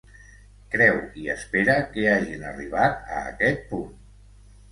Creu i espera que hagin arribat a aquest punt.